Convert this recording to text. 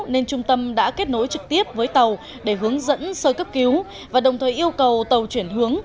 nên trung tâm đã kết nối trực tiếp với tàu để hướng dẫn sơ cấp cứu và đồng thời yêu cầu tàu chuyển hướng